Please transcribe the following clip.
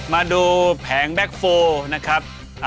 มาดูแผงแบ็คโฟล์นะครับ